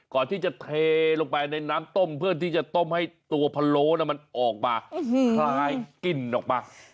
ก่อนที่จะเทลงไปในน้ำต้มเพื่อที่จะต้มให้ตัวพะโล้มันออกมาคลายกลิ่นออกมา